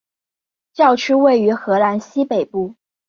教区位于荷兰西北部。